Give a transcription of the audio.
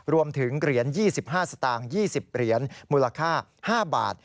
รวมถึงเหรียญ๒๕สตางค์๒๐เหรียญมูลค่า๕บาท